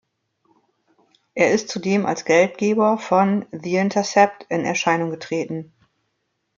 Er ist zudem als Geldgeber von The Intercept in Erscheinung getreten.